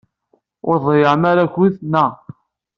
Ur tḍeyyɛem ara akud, naɣ?